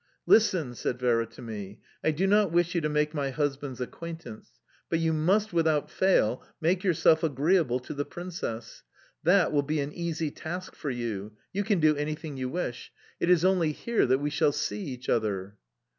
"Listen," said Vera to me, "I do not wish you to make my husband's acquaintance, but you must, without fail, make yourself agreeable to the Princess; that will be an easy task for you: you can do anything you wish. It is only here that we shall see each other"...